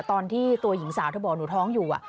ตอนที่ตัวหญิงสาวเธอบอกหนูท้องอยู่